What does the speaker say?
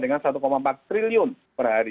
dengan satu empat triliun per hari